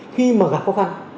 khi mà gặp khó khăn